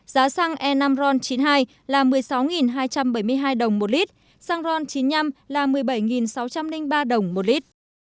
giá xăng e năm ron chín mươi hai là một mươi sáu hai trăm bảy mươi hai đồng một lít xăng ron chín mươi năm là một mươi bảy sáu trăm linh ba đồng một lít